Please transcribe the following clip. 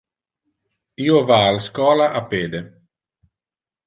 Io va al schola a pede.